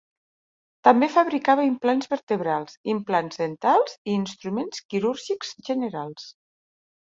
També fabricava implants vertebrals, implants dentals i instruments quirúrgics generals.